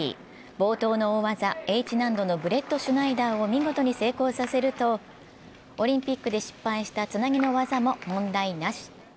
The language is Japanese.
冒頭の大技、Ｈ難度のブレットシュナイダーを見事に成功させるとオリンピックで失敗したつなぎの技も問題なし。